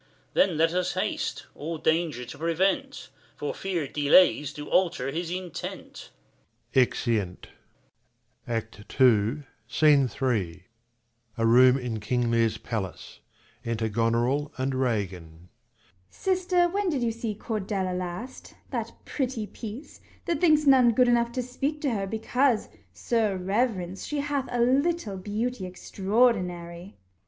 Cam. Then let us haste, all danger to prevent, For fear delays do alter his intent. [Exeunt. 20 KING LEIR AND [Acr II SCENE III. A room in King Leir's palacf. Enter Gonorill and Ragan. Gon. Sister, when did you see Cordelia last, That pretty piece, that thinks none good enough To speak to her, because, sir reverence, She hath a little beauty extraordinary